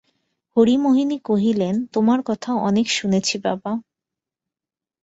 হরিমোহিনী কহিলেন, তোমার কথা অনেক শুনেছি বাবা!